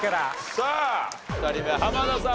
さあ２人目濱田さん